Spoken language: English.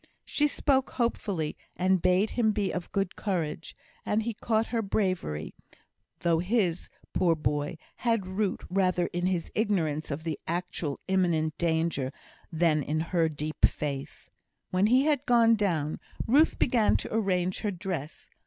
She spoke hopefully, and bade him be of good courage; and he caught her bravery, though his, poor boy, had root rather in his ignorance of the actual imminent danger than in her deep faith. When he had gone down, Ruth began to arrange her dress.